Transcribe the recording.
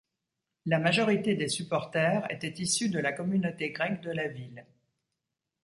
La majorité des supporters étaient issus de la communauté grecque de la ville.